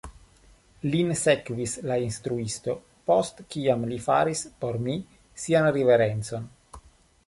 Lin sekvis la instruisto, post kiam li faris por mi sian riverencon.